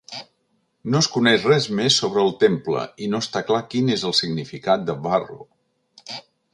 No es coneix res més sobre el temple, i no està clar quin és el significat de "Varro".